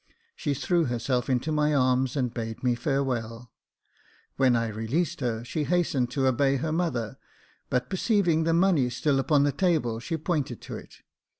She threw herself into my arms, and bade me farewell. When I released her, she hastened to obey her mother, but perceiving the money still upon the table, she pointed to it.